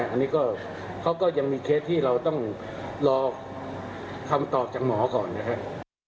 อันนี้ก็เขาก็ยังมีเคสที่เราต้องรอคำตอบจากหมอก่อนนะครับ